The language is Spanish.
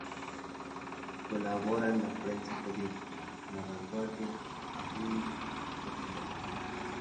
Colabora en la prensa periódica: La Vanguardia, Avui, Foc Nou.